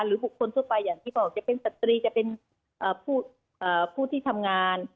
บุคคลทั่วไปอย่างที่บอกจะเป็นสตรีจะเป็นผู้ที่ทำงาน